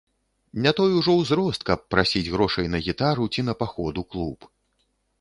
Не той ужо ўзрост, каб прасіць грошай на гітару ці на паход у клуб.